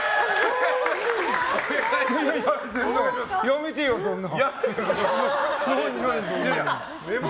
やめてよ、そんな。